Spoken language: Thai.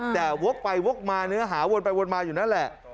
แต่วกไปวกมาเนื้อหาวนไปวนมาอยู่นั่นแหละ